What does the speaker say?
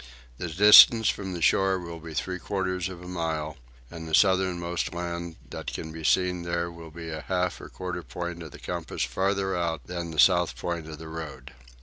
The distance from the shore will be three quarters of a mile; and the southernmost land that can be seen then will be a half or quarter point of the compass farther out than the south point of the road.